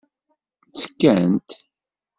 Ttekkant.